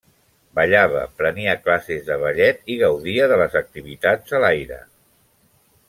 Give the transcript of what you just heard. Ballava, prenia classes de ballet i gaudia de les activitats a l'aire.